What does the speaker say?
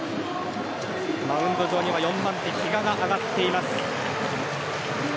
マウンド上には４番手比嘉が上がっています。